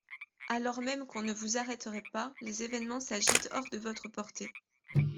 Alors même qu'on ne vous arrêterait pas, les événements s'agitent hors de votre portée.